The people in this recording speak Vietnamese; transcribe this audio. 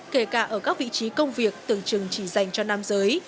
kể cả ở các vị trí công việc tưởng chừng chỉ dành cho nam giới